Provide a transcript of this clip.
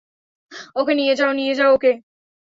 ওকে নিয়ে যাও, নিয়ে যাও ওকে।